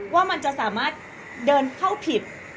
ว่ามันจะสามารถเดินเข้าผิด